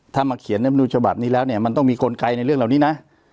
ถ้ามาเขียนรัฐมนุนฉบับนี้แล้วเนี่ยมันต้องมีกลไกในเรื่องเหล่านี้นะ